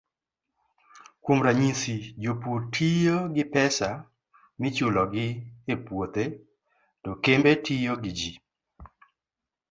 Kuom ranyisi, jopur tiyo gi pesa michulogi e puothe, to kembe tiyo gi ji.